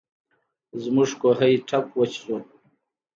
زموږ کوهۍ ټپ وچ شو.